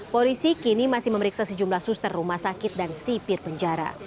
polisi kini masih memeriksa sejumlah suster rumah sakit dan sipir penjara